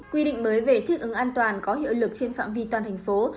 quy định mới về thích ứng an toàn có hiệu lực trên phạm vi toàn thành phố